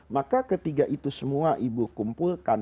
maka ketiga itu semua ibu kumpulkan